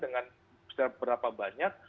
dengan seberapa banyak